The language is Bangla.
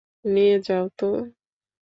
নিয়ে যাও তো।